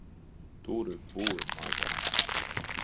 Turi buru, mazā!